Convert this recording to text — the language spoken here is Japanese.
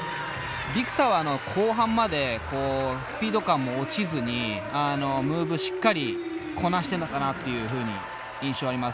Ｖｉｃｔｏｒは後半までスピード感も落ちずにムーブしっかりこなしてるのかなっていうふうに印象あります。